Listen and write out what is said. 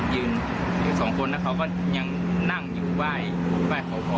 ยืนอีก๒คนนะเขาก็ยังนั่งอยู่ไหว้ขอพร